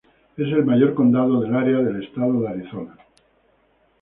Es el mayor condado del área del estado de Arizona.